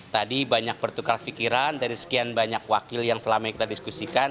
tadi banyak pertukar pikiran dari sekian banyak wakil yang selama ini kita diskusikan